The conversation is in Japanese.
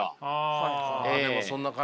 はい。